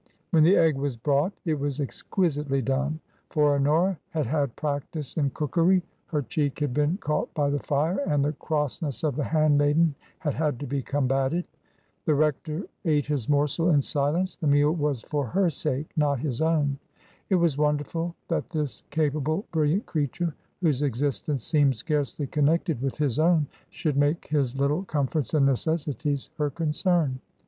When the egg was brought it was exquisitely done, for Honora had had practice in cookery ; her cheek had been caught by the fire, and the crossness of the handmaiden had had to be combated. The rector ate his morsel in silence ; the meal was for her sake, not his own. It was wonderful that this capable, brilliant crea ture, whose existence seemed scarcely connected with his own, should make his little comforts and necessities her concern.